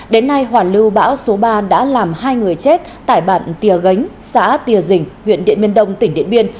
đến nay hoàn lưu bão số ba đã làm hai người chết tại bản tìa gánh xã tìa dình huyện điện biên đông tỉnh điện biên